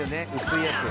薄いやつ